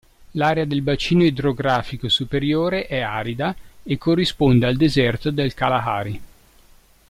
L'area del bacino idrografico superiore è arida e corrisponde al deserto del Kalahari.